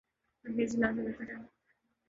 پرہیز علاج سے بہتر ہے